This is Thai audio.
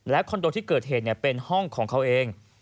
และคอนโดที่เกิดเห็นเนี่ยเป็นห้องของเขาเอง